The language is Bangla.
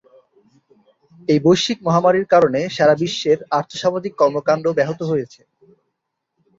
এই বৈশ্বিক মহামারীর কারণে সারা বিশ্বের আর্থ-সামাজিক কর্মকাণ্ড ব্যাহত হয়েছে।